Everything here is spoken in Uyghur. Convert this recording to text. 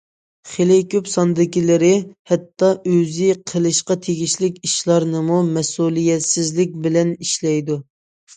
خېلى كۆپ ساندىكىلىرى ھەتتا ئۆزى قىلىشقا تېگىشلىك ئىشلارنىمۇ مەسئۇلىيەتسىزلىك بىلەن ئىشلەيدۇ.